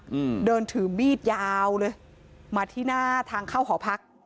อืมเดินถือมีดยาวเลยมาที่หน้าทางเข้าหอพัก